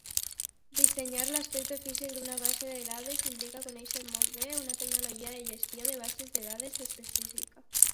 Dissenyar l'aspecte físic d'una base de dades implica conèixer molt bé una tecnologia de gestió de bases de dades específica.